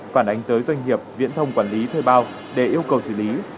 phản ánh tới doanh nghiệp viễn thông quản lý thuê bao để yêu cầu xử lý